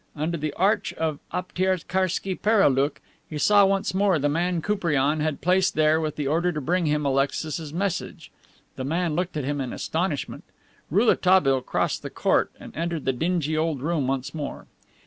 Under the arch of Aptiekarski Pereoulok he saw once more the man Koupriane had placed there with the order to bring him Alexis's message. The man looked at him in astonishment. Rouletabille crossed the court and entered the dingy old room once more.